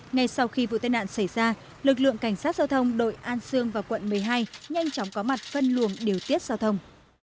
ngay sau khi vụ tai nạn xảy ra lực lượng cảnh sát giao thông đội an sương và quận một mươi hai nhanh chóng có mặt phân luồng điều tiết giao thông